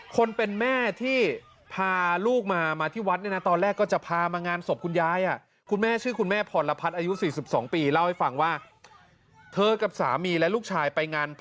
คนเป็นแม่ที่พาลูกมามาที่วัดเนี่ยนะตอนแรกก็จะพามางานศพคุณยาย